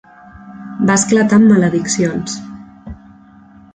Va esclatar en malediccions.